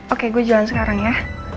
oke gue jual sekarang ya